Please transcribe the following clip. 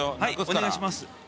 はいお願いします。